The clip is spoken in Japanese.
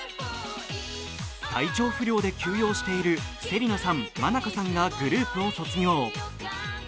体調不良で休養している芹奈さん、ｍａｎａｋａさんがグループを卒業。